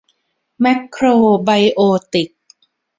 แมคโครไบโอติก